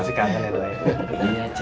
masih kangen ya duanya